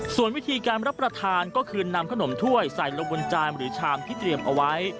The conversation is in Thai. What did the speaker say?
ส่วนวิธีการรับประทานก็คือนำขนมถ้วยใส่ลงบนจานหรือชามที่เตรียมเอาไว้